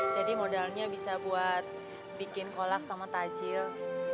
jadi modalnya bisa buat bikin kolak sama tajil